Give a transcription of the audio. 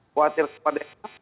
khawatir kepada itu